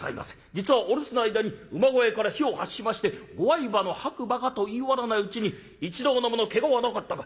実はお留守の間に馬小屋から火を発しましてご愛馬の白馬が』と言い終わらないうちに『一同の者けがはなかったか？』。